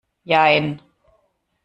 Jein.